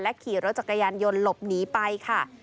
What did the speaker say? ขี่รถจักรยานยนต์หลบหนีไปค่ะ